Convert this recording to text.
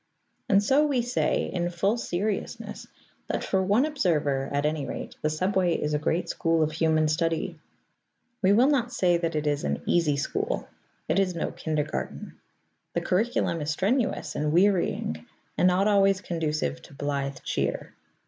And so we say, in full seriousness, that for one observer at any rate the subway is a great school of human study. We will not say that it is an easy school: it is no kindergarten; the curriculum is strenuous and wearying, and not always conducive to blithe cheer.